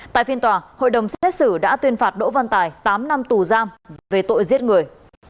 tại phiên tòa hội đồng xét xử đã tuyên phạt đỗ văn tài tám năm tù giam về tội giết người